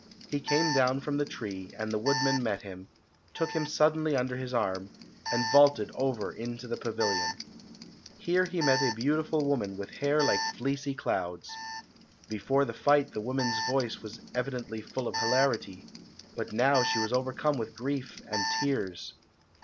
He came down from the tree and the woodman met him, took him suddenly under his arm, and vaulted over into the pavilion. Here he met a beautiful woman with hair like fleecy clouds. Before the fight the woman's voice was evidently full of hilarity, but now she was overcome with grief and tears.